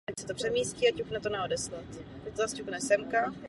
Poté přešel do Archivu Univerzity Karlovy v Praze.